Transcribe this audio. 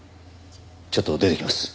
ちょっと出てきます。